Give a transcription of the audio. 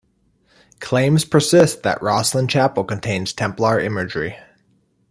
Claims persist that Rosslyn Chapel contains Templar imagery.